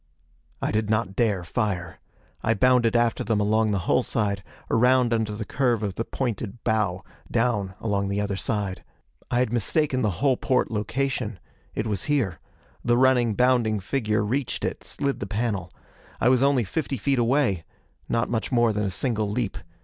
I did not dare fire. I bounded after them along the hull side, around under the curve of the pointed bow, down along the other side. I had mistaken the hull porte location. It was here. The running, bounding figure reached it, slid the panel. I was only fifty feet away not much more than a single leap.